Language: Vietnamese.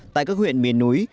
tại các huyện miền núi